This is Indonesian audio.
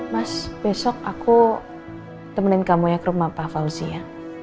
mas besok aku temenin kamu ya ke rumah pak fauzi ya